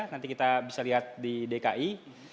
nanti kita bisa lihat di dki